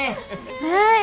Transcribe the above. はい。